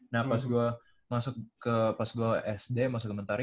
nah pas gue masuk ke pas gue sd masuk komentari